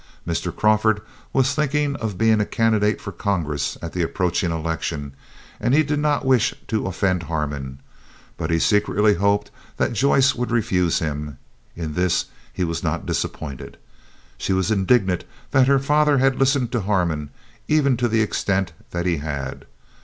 Mr. Crawford was thinking of being a candidate for Congress at the approaching election, and he did not wish to offend Harmon, but he secretly hoped that Joyce would refuse him; in this he was not disappointed. She was indignant that her father had listened to Harmon, even to the extent that he had.